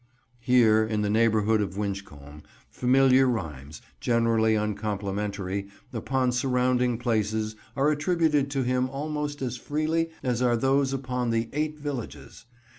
Here, in the neighbourhood of Winchcombe, familiar rhymes, generally uncomplimentary, upon surrounding places are attributed to him almost as freely as are those upon the "Eight Villages."